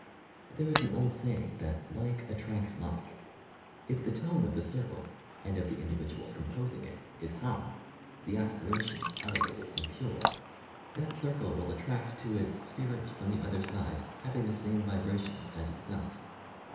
There is an old saying that "Like attracts Like," If the tone of the circle, and of the individuals composing it, is high, the aspirations elevated and pure, that circle will attract to it "spirits" from the other side, having the same vibrations as it self.